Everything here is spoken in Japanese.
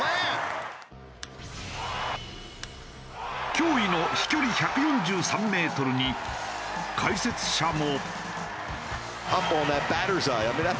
驚異の飛距離１４３メートルに解説者も。